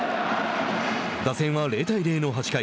打線は０対０の８回。